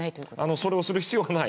それをする必要がない。